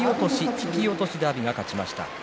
引き落としで阿炎が勝ちました。